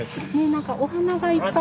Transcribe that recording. お花がいっぱい。